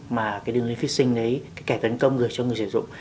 mà cái đường linh phí sinh đấy cái kẻ tấn công gửi cho người sử dụng